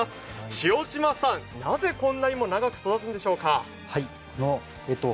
塩島さん、なぜこんなにも長く育つんでしょうか？